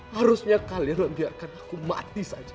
harusnya kalian biarkan aku mati saja